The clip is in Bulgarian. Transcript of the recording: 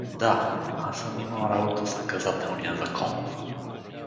Да, аз съм имал работа с наказателния закон.